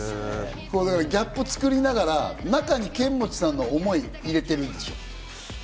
ギャップを作りながら、ケンモチさんの思いを入れている。